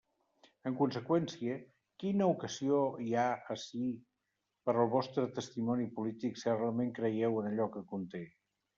En conseqüència, ¿quina ocasió hi ha ací per al vostre testimoni polític si realment creieu en allò que conté?